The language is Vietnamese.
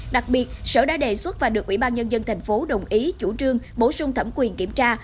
đặc biệt sở đã đề xuất và được ubnd tp hcm đồng ý chủ trương bổ sung thẩm quyền kiểm tra